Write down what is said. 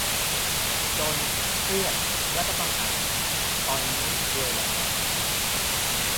"จน เครียด รัฐประหาร" ตอนนี้รวยแล้ว